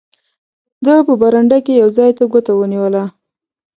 ده په برنډه کې یو ځای ته ګوته ونیوله.